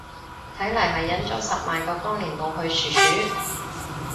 睇嚟係忍咗十萬個光年冇去殊殊